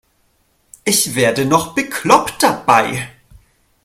Ich werde noch bekloppt dabei.